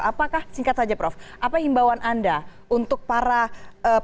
apakah singkat saja prof apa himbauan anda untuk para pengguna